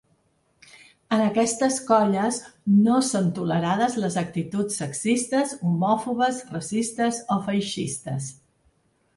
En aquestes colles no són tolerades les actituds sexistes, homòfobes, racistes o feixistes.